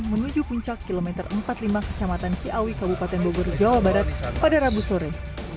menuju puncak kilometer empat puluh lima kecamatan ciawi kabupaten bogor jawa barat pada rabu sore